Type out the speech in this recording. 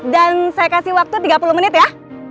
dan saya kasih waktu tiga puluh menit ya